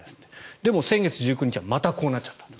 でも、先月１９日はまたこうなっちゃった。